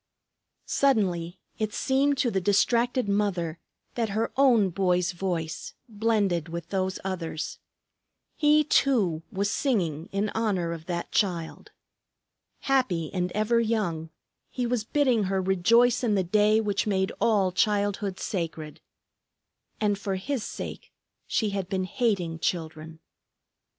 Suddenly it seemed to the distracted mother that her own boy's voice blended with those others. He too was singing in honor of that Child. Happy and ever young, he was bidding her rejoice in the day which made all childhood sacred. And for his sake she had been hating children!